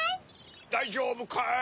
だいじょうぶかい？